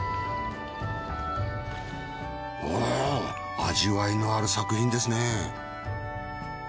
おお味わいのある作品ですね。